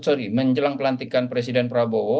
sorry menjelang pelantikan presiden prabowo